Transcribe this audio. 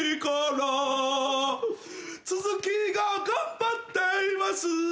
「都築が頑張っています」